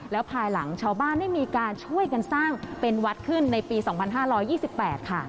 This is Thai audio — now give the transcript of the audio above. แล้วภายหลังชาวบ้านได้มีการช่วยกันสร้างเป็นวัดขึ้นในปี๒๕๒๘ค่ะ